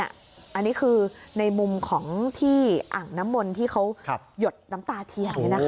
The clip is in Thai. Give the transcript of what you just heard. อันนี้คือในมุมของที่อ่างน้ำมนต์ที่เขาหยดน้ำตาเทียน